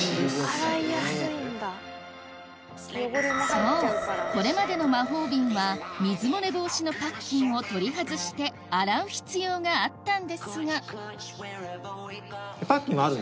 そうこれまでの魔法瓶は水漏れ防止のパッキンを取り外して洗う必要があったんですがホントだ！